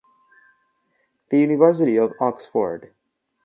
The university of Oxford.